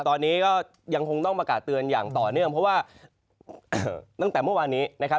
ตอนนี้ก็ยังคงต้องประกาศเตือนอย่างต่อเนื่องเพราะว่าตั้งแต่เมื่อวานนี้นะครับ